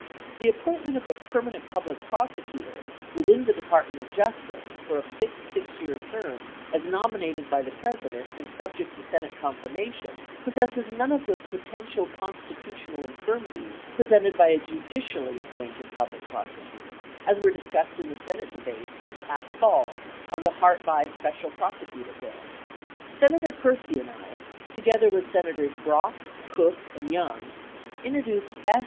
The appointment of a permanent Public Prosecutor, within the De partment of Justice, for a fixed 6 year term as nominated by the President and subject to Senate confirmation possesses none of the potential constitutional infirmities presented by a judicially appointed Public Prosecutor, as were discussed in the Senate debate this past fall on the Hart Bayh Special Prosecutor bill. Senator Percy and I, together with Senators Brock, Cook, and Young, introduced S.